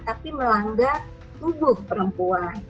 tapi melanggar tubuh perempuan